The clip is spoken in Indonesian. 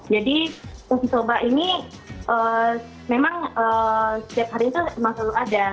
jadi toshiko shisoba ini memang setiap hari itu memang selalu ada